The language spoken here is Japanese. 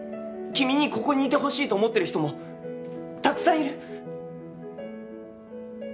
君にここにいてほしいと思ってる人もたくさんいる。